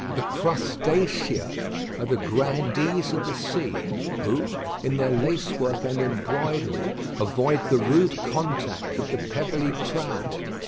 The crustacea are the grandees of the sea, who, in their lacework and embroidery, avoid the rude contact of the pebbly crowd.